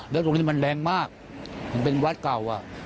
แล้วตรงนี้มันแรงมากมันเป็นวัดเก่า